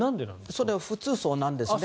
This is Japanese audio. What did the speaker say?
それは普通そうなんですね。